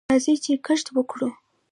راځئ چې کښت وکړو.